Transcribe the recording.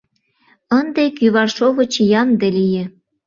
Ынде кӱваршовыч ямде лие.